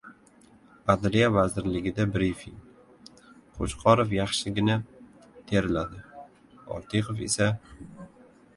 Adliya vazirligida brifing. Qo‘chqorov yaxshigina «terladi», Ortiqova esa...